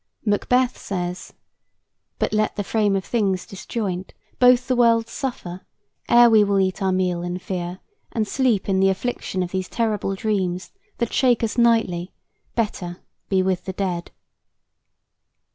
Macbeth says: "But let the frame of things disjoint, both the worlds suffer, Ere we will eat our meal in fear, and sleep In the affliction of these terrible dreams That shake us nightly; better be with the dead."